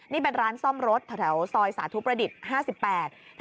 นี่เป็นร้านซ่อมรถแถวซอยสาธุประดิษฐ์๕๘